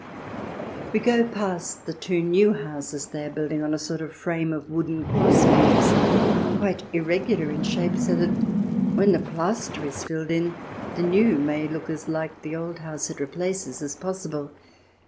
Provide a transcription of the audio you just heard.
We go past the two new houses they are building on a sort of frame of wooden cross beams, quite irregular in shape, so that when the plaster is filled in the new may look as like the old house it replaces as possible.